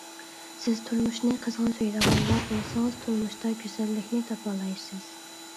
سىز تۇرمۇشنى قىزغىن سۆيىدىغانلا بولسىڭىز، تۇرمۇشتا گۈزەللىكنى تاپالايسىز.